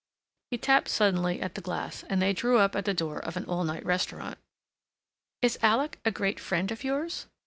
He tapped suddenly at the glass and they drew up at the door of an all night restaurant. "Is Alec a great friend of yours?"